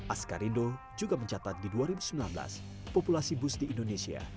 askarindo juga mencatat di dua ribu sembilan belas populasi bus di indonesia